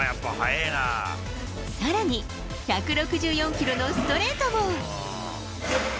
さらに、１６４キロのストレートも。